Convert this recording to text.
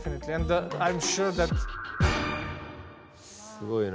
すごいな。